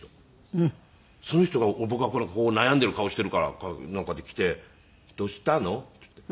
その人が僕が悩んでいる顔しているからかなんかで来て「どうしたの？」って言って。